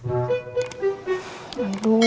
saya pergi dulu